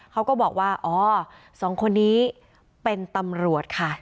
เขาก็บอกว่าอ๋อสองคนนี้เป็นตำรวจค่ะ